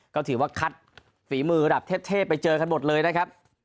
ก็ถือว่าคัดฝีมือระดับเทพไปเจอกันหมดเลยนะครับ